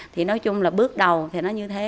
thì nói chung là bước đầu thì nó như thế